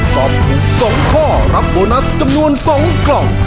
ตอบถูก๒ข้อรับโบนัสจำนวน๒กล่อง